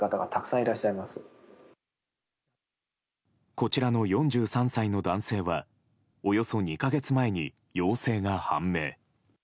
こちらの４３歳の男性はおよそ２か月前に陽性が判明。